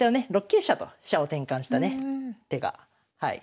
６九飛車と飛車を転換したね手が。